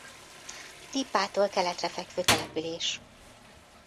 Lippától keletre fekvő település.